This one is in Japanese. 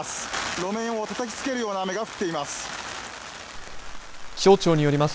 路面をたたきつけるような雨が降っています。